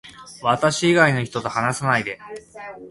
私以外の人と話さないで